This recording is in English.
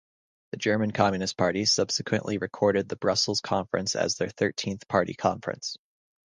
The German Communist Party subsequently recorded the Brussels Conference as their thirteenth party conference.